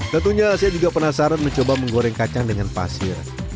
tentunya saya juga penasaran mencoba menggoreng kacang dengan pasir